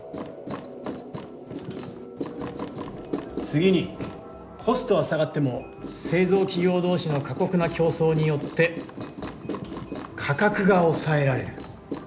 次にコストは下がっても製造企業同士の過酷な「競争」によって価格が抑えられる。